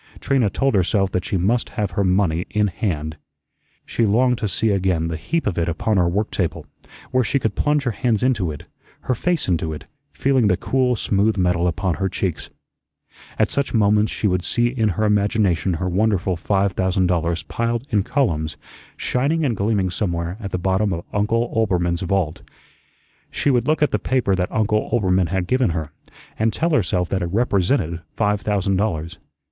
Trina told herself that she must have her money in hand. She longed to see again the heap of it upon her work table, where she could plunge her hands into it, her face into it, feeling the cool, smooth metal upon her cheeks. At such moments she would see in her imagination her wonderful five thousand dollars piled in columns, shining and gleaming somewhere at the bottom of Uncle Oelbermann's vault. She would look at the paper that Uncle Oelbermann had given her, and tell herself that it represented five thousand dollars.